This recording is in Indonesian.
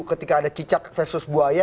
ketika ada cicak versus buaya